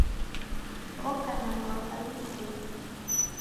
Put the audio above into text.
Woka na lwaka lupoie